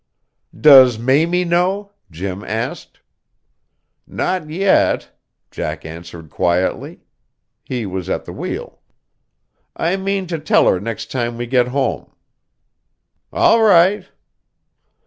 "Does Mamie know?" Jim asked. "Not yet," Jack answered quietly. He was at the wheel. "I mean to tell her next time we get home." "All right."